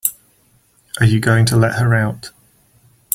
Are you going to let her out?